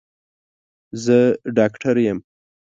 زه ډاکټر يم.